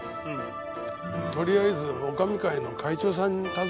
とりあえず女将会の会長さん訪ねてみるわ。